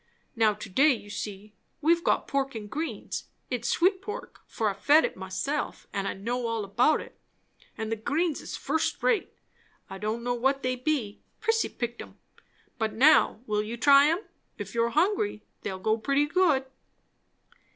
Now to day, you see, we've got pork and greens; it's sweet pork, for I fed it myself and I know all about it; and the greens is first rate. I don' know what they be; Prissy picked 'em; but now, will you try 'em? If you're hungry, they'll go pretty good."